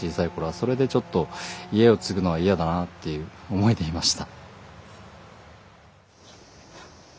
それでちょっと家を継ぐのは嫌だなっていう思いでいました。